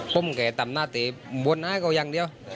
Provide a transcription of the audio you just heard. ปุ่มเขาตามหน้าตรีมบ้วยนะก็ยังเดียว